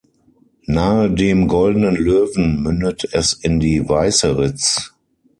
Nahe dem „Goldenen Löwen“ mündet es in die Weißeritz.